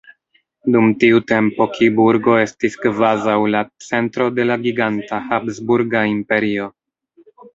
Dum tiu tempo Kiburgo estis kvazaŭ la centro de la giganta habsburga imperio.